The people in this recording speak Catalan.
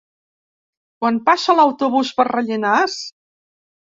Quan passa l'autobús per Rellinars?